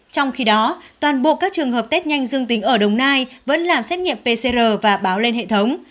trong khi đó toàn bộ các trường hợp test nhanh dương tính ở đồng nai vẫn làm xét nghiệm pcr và báo lên hệ thống